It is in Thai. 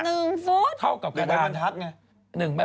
ฟุตเท่ากับกระดาษบรรทัศน์ไง